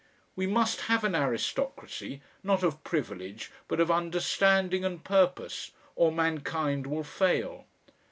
We must have an aristocracy not of privilege, but of understanding and purpose or mankind will fail.